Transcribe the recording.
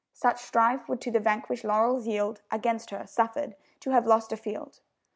Such strife would to the vanquished laurels yield, Against her suffered to have lost a field.